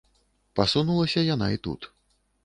Пасунулася яна і тут.